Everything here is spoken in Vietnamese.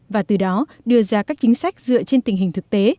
và từ đó đưa ra các chính sách dựa trên tình hình thực tế